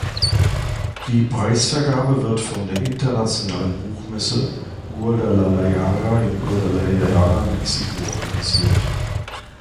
Die Preisvergabe wird von der Internationalen Buchmesse Guadalajara in Guadalajara, Mexiko organisiert.